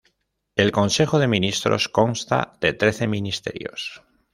El Consejo de Ministros consta de trece ministerios.